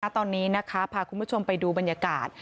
ตอนนี้พาคุณผู้ชมไปดูบรรยากาศ